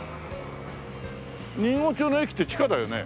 人形町の駅って地下だよね？